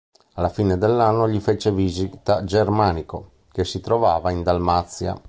Alla fine dell'anno gli fece visita Germanico, che si trovava in Dalmazia.